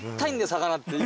魚って。